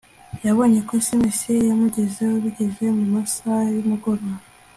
yabonye ko SMS ye yamugezeho bigeze mu masaha yumugoroba